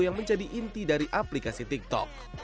yang menjadi inti dari aplikasi tiktok